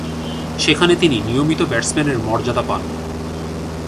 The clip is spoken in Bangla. সেখানে তিনি নিয়মিত ব্যাটসম্যানের মর্যাদা পান।